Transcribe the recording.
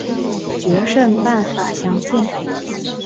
决胜办法详见。